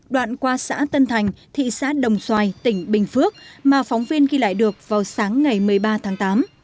đoạn qua xã tân thành thị xã đồng xoài tỉnh bình phước mà phóng viên ghi lại được vào sáng ngày một mươi ba tháng tám